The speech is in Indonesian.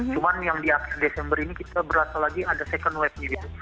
cuman yang di desember ini kita berasa lagi ada second wave